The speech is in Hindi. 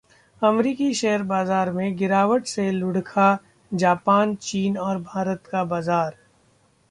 अमेरिकी शेयर बाजार में गिरावट से लुढ़का जापान, चीन और भारत का बाजार